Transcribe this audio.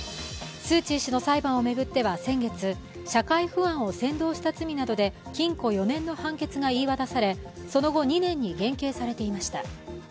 スー・チー氏の裁判を巡っては先月、社会不安を扇動した罪などで禁錮４年の判決が言い渡されその後、２年に減刑されていました。